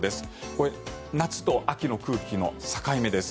これは夏と秋の空気の境目です。